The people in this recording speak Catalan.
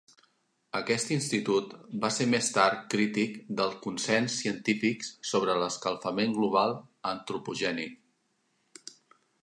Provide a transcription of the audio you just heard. Aquest institut va ser més tard crític del consens científic sobre l'escalfament global antropogènic.